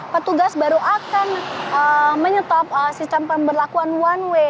petugas baru akan menyetop sistem pemberlakuan one way